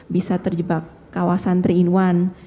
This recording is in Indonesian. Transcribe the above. bisa terjebak kawasan tiga in satu